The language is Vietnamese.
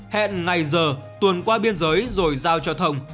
hẹn ngày giờ tuần qua biên giới rồi giao cho thông